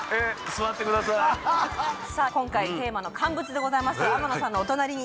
さあ今回テーマの乾物でございますが天野さんのお隣に。